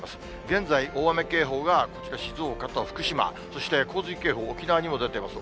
現在、大雨警報が静岡と福島、そして洪水警報、沖縄にも出ています。